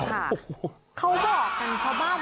เขาสอบกันเขาบ้าง